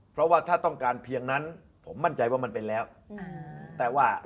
เพราะว่าถ้าต้องการเพียงนั้นผมมั่นใจว่ามันเป็นแล้วแต่ว่า